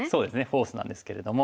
フォースなんですけれども。